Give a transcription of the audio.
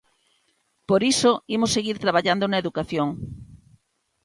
Por iso imos seguir traballando na educación.